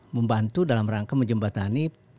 membantu dalam rangka menjembatani